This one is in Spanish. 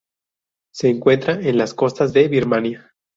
Se encuentra en las costas de Birmania.